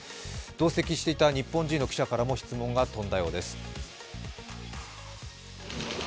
同席していた日本人の記者からも質問が飛んだようです。